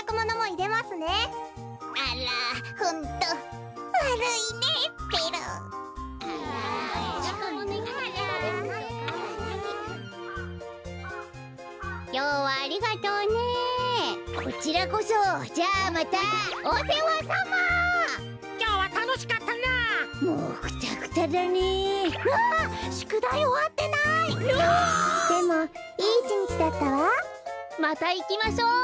またいきましょう。